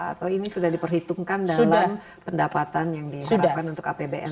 atau ini sudah diperhitungkan dalam pendapatan yang diperhatikan